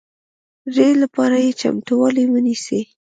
ري لپاره یې چمتوالی ونیسئ